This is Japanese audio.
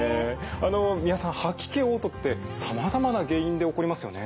あの三輪さん吐き気・おう吐ってさまざまな原因で起こりますよね？